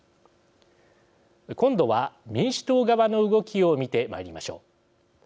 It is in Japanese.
今度は民主党側の動きを見てまいりましょう。